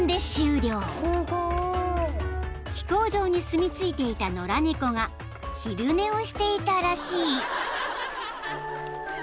［飛行場にすみ着いていた野良猫が昼寝をしていたらしい］